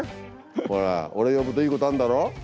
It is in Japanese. ほら俺呼ぶといいことあんだろ。